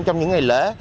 trong những ngày lễ